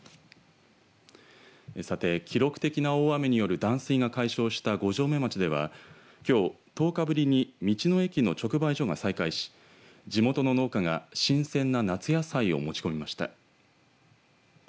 さて、記録的な大雨による断水が解消した五城目町ではきょう１０日ぶりに道の駅の直売所が再開し地元の農家が新鮮な夏野菜を持ち込みました。